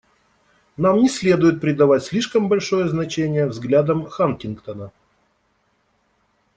Нам не следует придавать слишком большое значение взглядам Хантингтона.